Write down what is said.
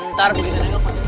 ntar begitu juga pas